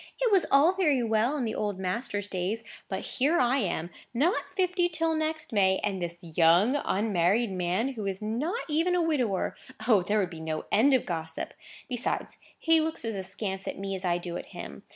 It was all very well in the old master's days. But here am I, not fifty till next May, and this young, unmarried man, who is not even a widower! O, there would be no end of gossip. Besides he looks as askance at me as I do at him.